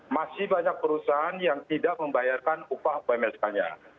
masih banyak perusahaan yang tidak membayarkan upah pmsk nya